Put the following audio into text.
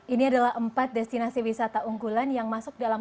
ini adalah empat destinasi wisata unggulan yang masuk dalam